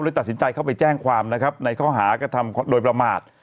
ตัดสินใจเข้าไปแจ้งความนะครับในข้อหากระทำโดยประมาท